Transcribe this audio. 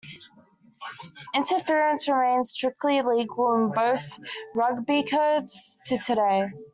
Interference remains strictly illegal in both rugby codes to today.